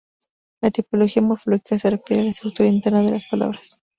La tipología morfológica se refiere a la estructura interna de las palabras.